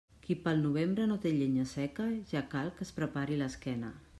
Qui pel novembre no té llenya seca, ja cal que es prepari l'esquena.